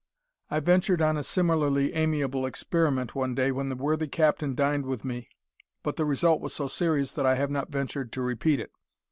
I ventured on a similarly amiable experiment one day when the worthy Captain dined with me, but the result was so serious that I have not ventured to repeat it.